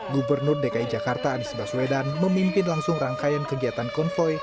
gubernur dki jakarta anies baswedan memimpin langsung rangkaian kegiatan konvoy